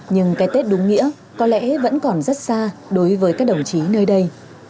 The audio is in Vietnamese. nhưng cái tết đúng nghĩa có lẽ vẫn còn rất xa đối với các đồng chí nơi đây